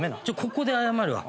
ここで謝るわ。